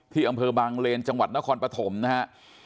อำเภอบางเลนจังหวัดนครปฐมนะฮะ